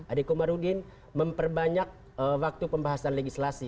adeko marudin memperbanyak waktu pembahasan legislasi